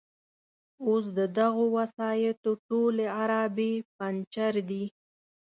اوس د دغو وسایطو ټولې عرابې پنجر دي.